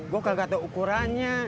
gue kagak tahu ukurannya